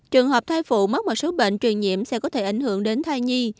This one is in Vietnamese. trường hợp thai phụ mất một số bệnh truyền nhiệm sẽ có thể ảnh hưởng đến thai nhi